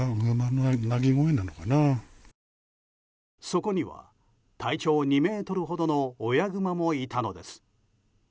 そこには体長２ｍほどの親グマもいたのです。